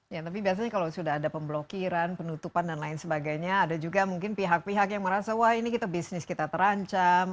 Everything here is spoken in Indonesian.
ya tapi biasanya kalau sudah ada pemblokiran penutupan dan lain sebagainya ada juga mungkin pihak pihak yang merasa wah ini bisnis kita terancam